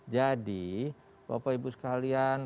jadi bapak ibu sekalian